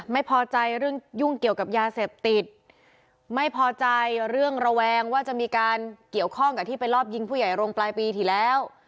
ไม่พอใจเรื่องยุ่งเกี่ยวกับยาเสพติดไม่พอใจเรื่องระแวงว่าจะมีการเกี่ยวข้องกับที่ไปรอบยิงผู้ใหญ่โรงปลายปีที่แล้ว